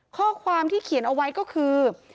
ข้อความที่เขียนเอาไว้ก็คือ